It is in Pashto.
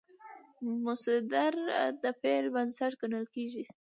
مصدر د فعل بنسټ ګڼل کېږي.